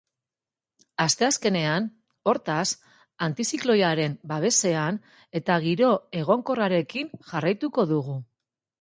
Asteazkenean, hortaz, antizikloiaren babesean eta giro egonkorrarekin jarraituko dugu.